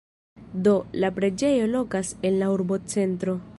Do, la preĝejo lokas en la urbocentro.